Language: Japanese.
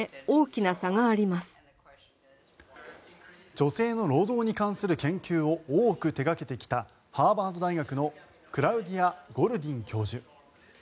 女性の労働に関する研究を多く手掛けてきたハーバード大学のクラウディア・ゴルディン教授。